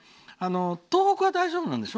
東北は大丈夫なんでしょ？